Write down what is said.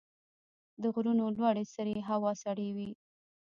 د غرونو لوړې سرې هوا سړې وي.